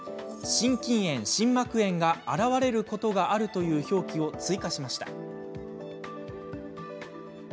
「心筋炎、心膜炎があらわれることがある」という表記を追加しました。